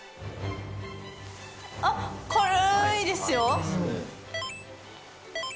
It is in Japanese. あっ軽いですよ！